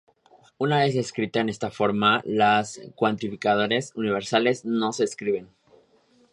Una vez escrita en esta forma los cuantificadores universales no se escriben.